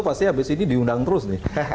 pasti habis ini diundang terus nih